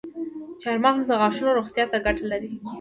چارمغز د غاښونو روغتیا ته ګټه لري.